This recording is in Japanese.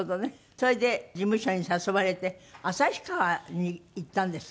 それで事務所に誘われて旭川に行ったんですって？